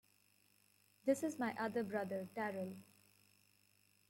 This is my other brother Darryl.